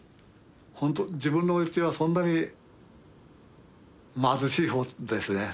ほんと自分のうちはそんなに貧しい方ですね。